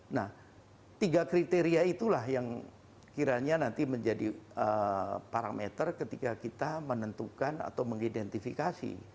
nah tiga kriteria itulah yang kiranya nanti menjadi parameter ketika kita menentukan atau mengidentifikasi